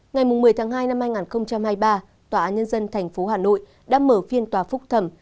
ngày một mươi tháng hai năm hai nghìn hai mươi ba tòa án nhân dân tp hà nội đã mở phiên tòa phúc thẩm